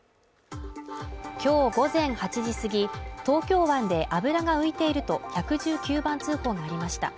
今日午前８時すぎ、東京湾で油が浮いていると１１９番通報がありました。